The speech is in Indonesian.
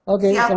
oke selamat malam